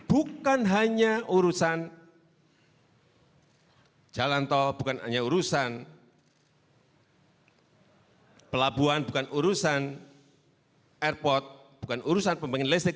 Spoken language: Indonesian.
bukan hanya urusan jalan tol bukan hanya urusan pelabuhan bukan urusan airport bukan urusan pembangunan listrik